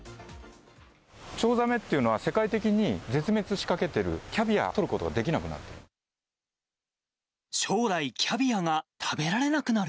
チョウザメっていうのは、世界的に絶滅しかけてる、キャビアを取ることができなくなる。